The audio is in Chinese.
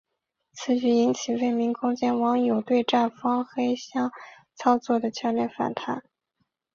此举引起未名空间网友对站方黑箱操作的强烈反弹。